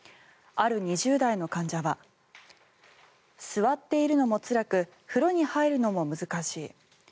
ある２０代の患者は座っているのもつらく風呂に入るのも難しい。